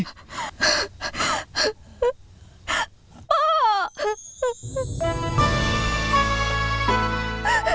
พมรษาแบบรากฏปุกกกเรื่องเป็นพลังผู้ลอคม